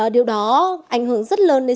điều đó ảnh hưởng rất lớn đến